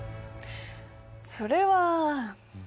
それは。